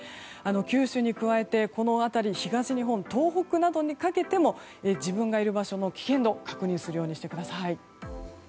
九州に加えて東日本、東北などにかけても自分がいる場所の危険度確認するようにしてください。